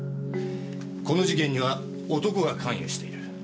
この事件には男が関与している。